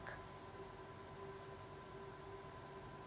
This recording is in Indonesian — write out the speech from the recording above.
anda kehilangan kontak